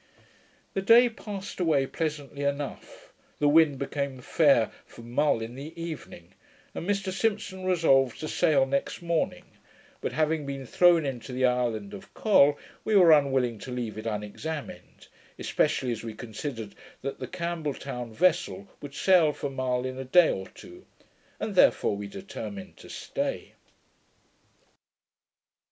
The day passed away pleasantly enough. The wind became fair for Mull in the evening, and Mr Simpson resolved to sail next morning: but having been thrown into the island of Col, we were unwilling to leave it unexamined, especially as we considered that the Campbell town vessel would sail for Mull in a day or two, and therefore we determined to stay.